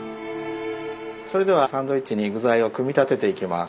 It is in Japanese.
それではサンドイッチに具材を組み立てていきます。